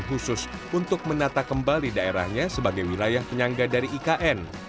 khusus untuk menata kembali daerahnya sebagai wilayah penyangga dari ikn